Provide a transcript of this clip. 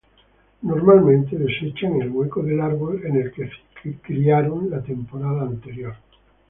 Normalmente desechan el hueco del árbol en el que criaron la temporada anterior.